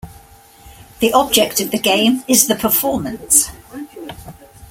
The object of the game is the performance.